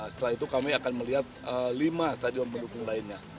setelah itu kami akan melihat lima stadion pendukung lainnya